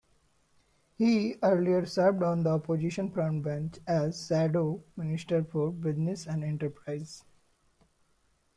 He earlier served on the opposition frontbench as Shadow Minister for Business and Enterprise.